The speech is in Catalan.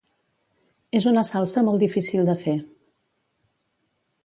És una salsa molt difícil de fer.